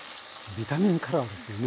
ビタミンカラーですよね。